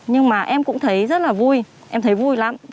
nhưng mà em cũng thấy rất là vui em thấy vui lắm